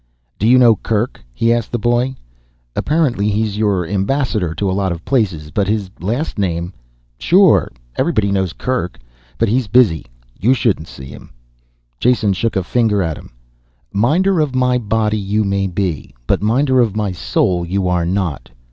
"Do you know Kerk?" he asked the boy. "Apparently he's your ambassador to a lot of places, but his last name " "Sure, everybody knows Kerk. But he's busy, you shouldn't see him." Jason shook a finger at him. "Minder of my body you may be. But minder of my soul you are not.